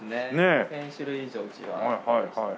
１０００種類以上うちはありまして。